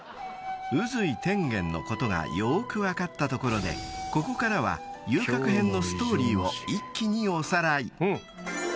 ［宇髄天元のことがよく分かったところでここからは『遊郭編』のストーリーを一気におさらい］